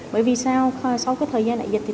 bởi vì sao sau thời gian đại dịch